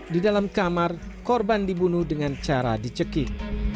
di dalam kamar korban dibunuh dengan cara dicekik